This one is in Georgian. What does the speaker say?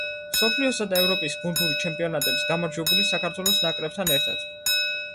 მსოფლიოსა და ევროპის გუნდური ჩემპიონატების გამარჯვებული საქართველოს ნაკრებთან ერთად.